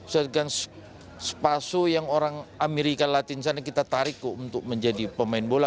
kita butuh sepaso yang orang amerika latina kita tarik untuk menjadi pemain bola